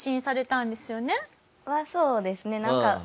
そうですね。